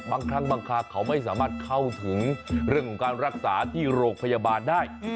บางครั้งบางคราเขาไม่สามารถเข้าถึงเรื่องของการรักษาที่โรงพยาบาลได้